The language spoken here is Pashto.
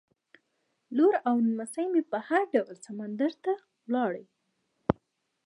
لور او نمسۍ مې په هر ډول سمندر ته لاړې.